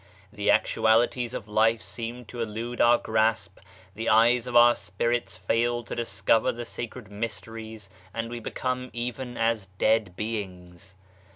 The actualities of life seem to elude our grasp, the eyes of our spirits fail to discover the sacred mysteries, and we become even as dead beings.